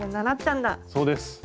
そうです。